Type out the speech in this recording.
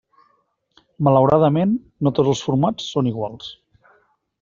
Malauradament, no tots els formats són iguals.